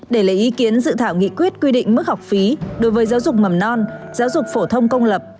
để lấy ý kiến dự thảo nghị quyết quy định mức học phí đối với giáo dục mầm non giáo dục phổ thông công lập